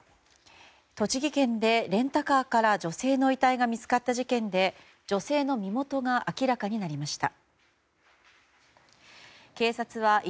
栃木県で、レンタカーから女性の遺体が見つかった事件で女性の身元が明らかになりました。